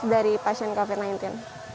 dari pasien covid sembilan belas